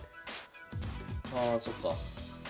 ああそっか。